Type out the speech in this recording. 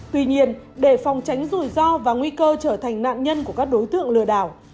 tuy nhiên để phòng tránh rủi ro và nguy cơ trở thành nạn nhân của các đối tượng lừa đảo